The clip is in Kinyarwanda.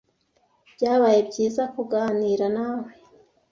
Byabaye byiza kuganira nawe.